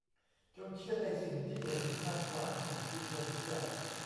จงเชื่อในสิ่งที่เห็นมากกว่าสิ่งที่ชวนเชื่อ